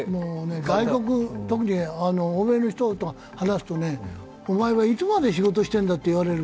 外国、特に欧米の人と話すと、お前はいつまで仕事してんだ？って聞かれる。